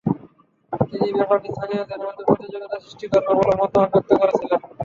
তিনি ব্যাপারটি স্থানীয়দের মধ্যে প্রতিযোগিতা সৃষ্টি করবে বলেও মতামত ব্যক্ত করেছিলেন।